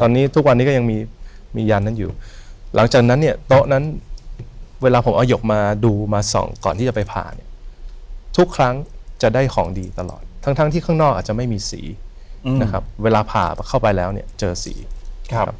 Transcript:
ตอนนี้ทุกวันนี้ก็ยังมีมียันนั้นอยู่หลังจากนั้นเนี่ยโต๊ะนั้นเวลาผมเอาหยกมาดูมาส่องก่อนที่จะไปผ่าเนี่ยทุกครั้งจะได้ของดีตลอดทั้งที่ข้างนอกอาจจะไม่มีสีนะครับเวลาผ่าเข้าไปแล้วเนี่ยเจอสีครับ